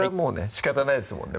しかたないですもんね